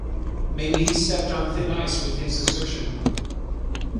Maybe he stepped on thin ice with his assertion.